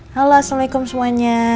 halo assalamualaikum semuanya